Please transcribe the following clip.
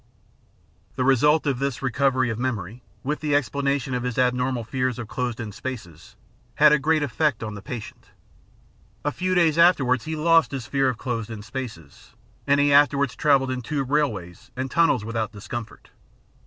The result of this recovery of memory, with the explana tion of his abnormal fears of closed in spaces, had a great effect on the patient. A few days afterwards he lost his fear of closed in spaces, and he afterwards travelled in tube railways and tunnels without discomfort.